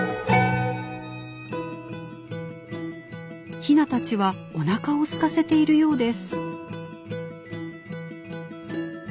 ヒナたちはおなかをすかせているようです。